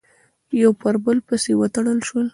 یو پر بل پسې وتړل شول،